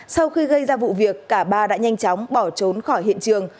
sau khi gây ra vụ việc cả ba đã nhanh chóng bỏ trốn khỏi hiện trường